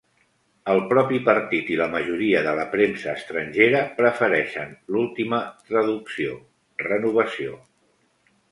El propi partit i la majoria de la premsa estrangera prefereixen l'última traducció, "Renovació".